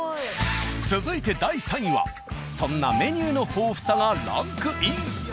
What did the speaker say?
続いて第３位はそんなメニューの豊富さがランクイン。